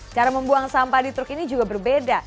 cara membuang sampah di truk ini juga berbeda